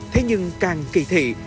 thế nhưng càng kỳ thị